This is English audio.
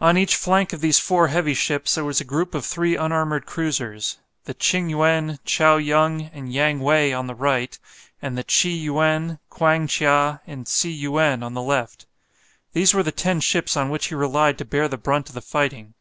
On each flank of these four heavy ships there was a group of three unarmoured cruisers the "Ching yuen," "Chao yung," and "Yang wei" on the right; and the "Chi yuen," "Kwang chia," and "Tsi yuen," on the left. These were the ten ships on which he relied to bear the brunt of the fighting.